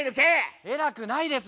偉くないです。